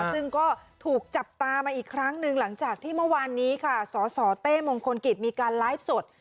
ซึ่งก็ถูกจับตามาอีกครั้งหนึ่งหลังจากที่เมื่อวานนี้ค่ะสสเต้มงคลกิจมีการไลฟ์สด